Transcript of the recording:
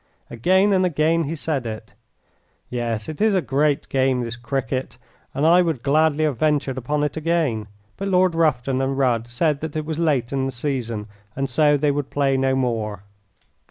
Again and again he said it. Yes, it is a great game this cricket, and I would gladly have ventured upon it again but Lord Rufton and Rudd said that it was late in the season, and so they would play no more.